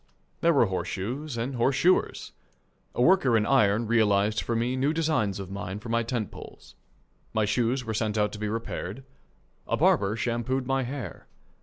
There were horseshoes and horseshoers. A worker in iron realized for me new designs of mine for my tent poles. My shoes were sent out to be repaired. A barber shampooed my hair.